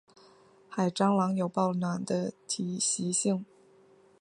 海蟑螂有抱卵的习性。